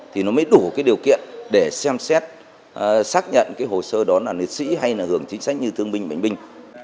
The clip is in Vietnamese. thì nó mới đủ điều kiện để xem xét xác nhận hồ sơ đó là lịch sĩ hay là hưởng chính sách như thương binh bệnh binh